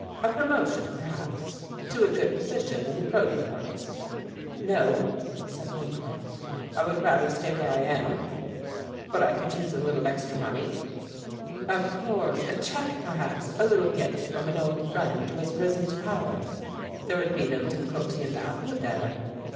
A promotion, perhaps, to a good position in the Protium Works?" "No," said Holknecht, "I would rather stay where I am, but I could use a little extra money." "Of course; a check, perhaps; a little gift from an old friend who has risen to power; there would be no difficulty in that, would there?"